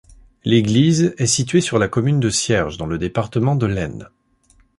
L'église est située sur la commune de Cierges, dans le département de l'Aisne.